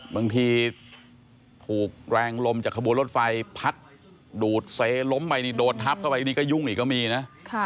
บางทีถูกแรงลมจากขบวนรถไฟพัดดูดเซล้มไปนี่โดนทับเข้าไปนี่ก็ยุ่งอีกก็มีนะ